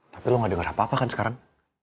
tapi lo gak denger apa apa kan sekarang